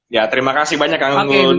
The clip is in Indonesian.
ya terima kasih banyak kak gunggun